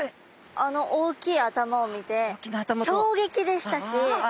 あの大きい頭を見てしょうげきでしたし。